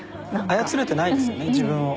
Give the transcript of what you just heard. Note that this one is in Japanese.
操れてないですよね自分を。